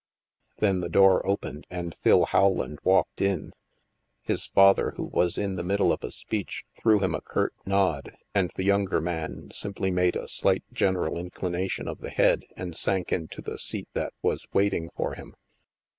Then the door opened, and Phil Rowland walked in. His father, who was in the middle of a speech, threw him a curt nod, and the younger man simply made a slight gen eral inclination of the head and sank into the seat that was waiting for him.